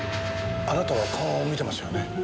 あなたは顔を見てますよね？